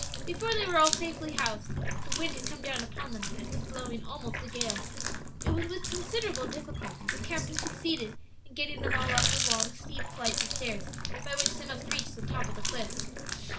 Before they were all safely housed, the wind had come down upon them and was blowing almost a gale. It was with considerable difficulty the captain succeeded in getting them all up the long steep flights of stairs by which they must reach the top of the cliff.